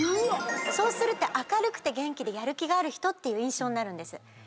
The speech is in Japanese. そうすると明るくて元気でやる気がある人っていう印象になるんです。